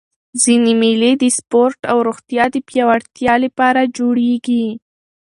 ځيني مېلې د سپورټ او روغتیا د پیاوړتیا له پاره جوړېږي.